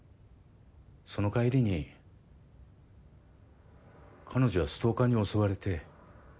その帰りに彼女はストーカーに襲われて。